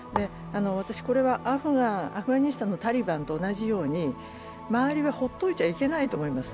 これはアフガニスタンのタリバンと同じように周りはほっといちゃいけないと思います。